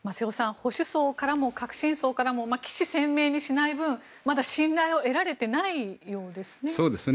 保守層からも革新層からも鮮明にしない分、まだ信頼を得られていないようですね。